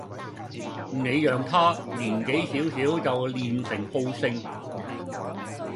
你讓他年紀小小就練成好勝